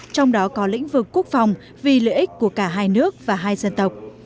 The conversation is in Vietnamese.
trong đó có lĩnh vực quốc phòng vì lợi ích của cả hai nước và hai dân tộc